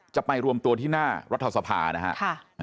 จะไปรวมตัวที่หน้ารัฐสภานะครับ